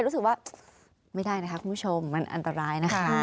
รู้สึกว่าไม่ได้นะคะคุณผู้ชมมันอันตรายนะคะ